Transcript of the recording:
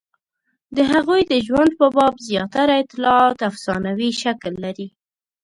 د هغوی د ژوند په باب زیاتره اطلاعات افسانوي شکل لري.